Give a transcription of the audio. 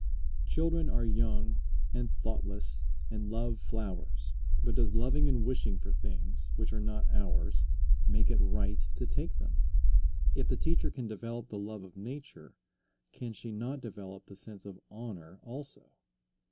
Children are young and thoughtless and love flowers. But does loving and wishing for things which are not ours make it right to take them? If the teacher can develop the love of nature, can she not develop the sense of honor also?